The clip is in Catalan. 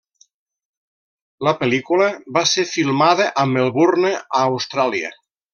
La pel·lícula va ser filmada a Melbourne, a Austràlia.